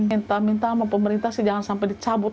minta minta sama pemerintah sih jangan sampai dicabut